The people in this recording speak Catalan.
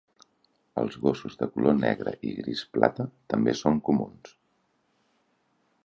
Els gossos de color negre i gris plata també son comuns.